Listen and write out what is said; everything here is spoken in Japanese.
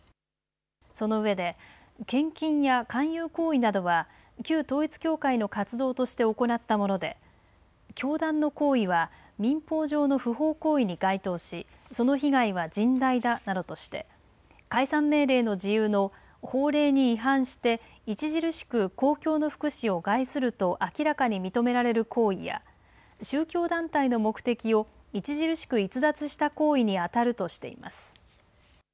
その上で献金や勧誘行為などは旧統一教会の活動として行ったもので教団の行為は民法上の不法行為に該当しその被害は甚大だなどとして解散命令の事由の法令に違反して、著しく公共の福祉を害すると明らかに認められる行為や宗教団体の目的を著しく逸脱した行為に当たるとしています。